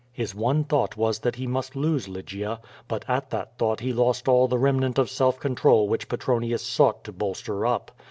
His one thought was that he must lose Lygia; but at that thought he lost all the remnant of self control which Petronius sought to bolster up.